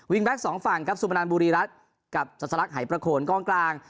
แก๊กสองฝั่งครับสุพนันบุรีรัฐกับสลักหายประโคนกองกลาง